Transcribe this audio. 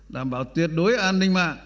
đảm bảo tuyệt đối an ninh mạng